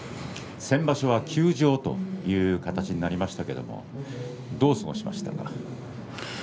先場所は休場という形になりましたけれどどう過ごしましたか。